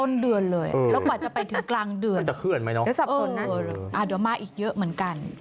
แล้วกว่าจะไปถึงกลางเดือนเดี๋ยวมาอีกเยอะเหมือนกัน